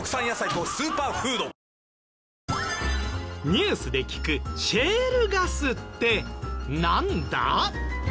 ニュースで聞くシェールガスってなんだ？